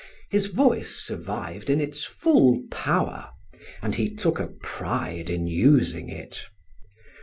His voice survived in its full power, and he took a pride in using it.